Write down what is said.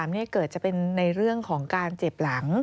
เกิดจะเป็นในเรื่องของการเจ็บหลัง